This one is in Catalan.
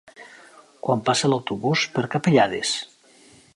Quan passa l'autobús per Capellades?